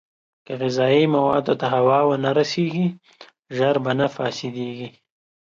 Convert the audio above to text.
که غذايي موادو ته هوا ونه رسېږي، ژر نه فاسېدېږي.